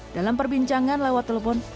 dalam perbincangan lewat telepon